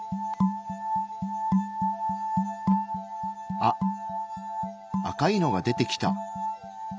あ赤いのが出てきた。